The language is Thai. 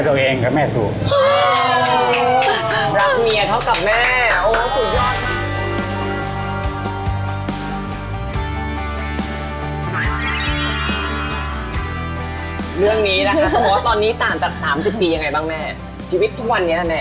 เรื่องนี้นะคะต้องบอกว่าตอนนี้ต่างจากสามสิบปียังไงบ้างแม่ชีวิตทุกวันนี้นะแม่